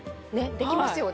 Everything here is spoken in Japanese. できますよね。